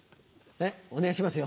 お願いしますよ。